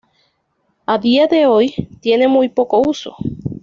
A día de hoy, tiene muy poco uso.